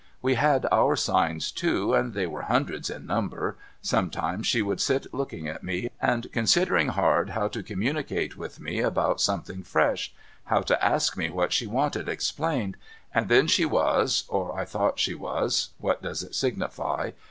We had our signs, too, and they was hundreds in number. Some times she would sit looking at me and considering hard how to communicate with me about something fresh, — how to ask me what she wanted explained, — and then she was (or I thought she was ; what does it signify